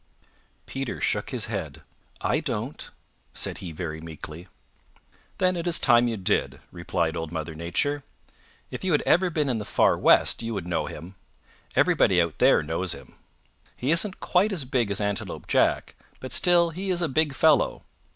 Peter shook his head. "I don't," said he very meekly. "Then it is time you did," replied Old Mother Nature. "If you had ever been in the Far West you would know him. Everybody out there knows him. He isn't quite as big as Antelope Jack but still he is a big fellow.